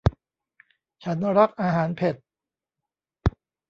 ฉันรักอาหารเผ็ด